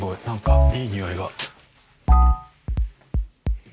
何かいい匂いが。